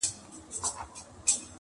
له عطاره دوکان پاته سو هک پک سو،